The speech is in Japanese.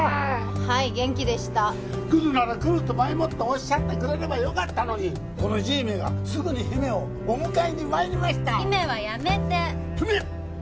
はい元気でした来るなら来ると前もっておっしゃってくれればよかったのにこの爺めがすぐに姫をお迎えにまいりました姫はやめて姫！